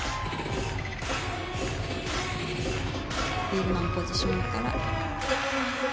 ビールマンポジションから。